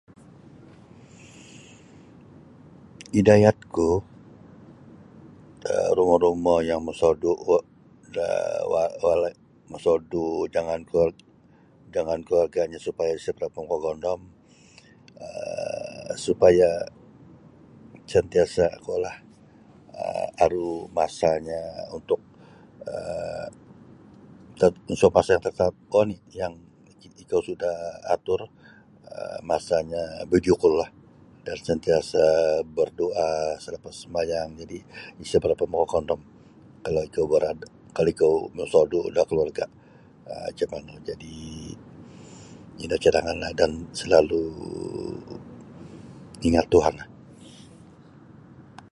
idayatku da rumo-rumo yang mosodu' kuo da um walai mosodu jangan jangan kaluarganyo supaya isa makagondom um supaya sentiasa kuolah um aru masanyo untuk um masa tartantu kuo oni ikou sudah atur masanyo video call lah dan sentiasa bardoa selapas sambayang jadi isa berapa makagondom kalau ikou berada mosodu'da keluarga um macam manu jadi ino cadanganlah dan salalu ingat Tuhanlah